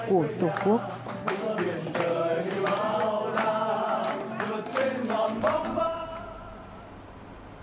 bước qua biển trời bao đa được kênh ngọn bóng vác